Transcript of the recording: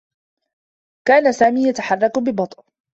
كان سامي يتحرّك ببطؤ.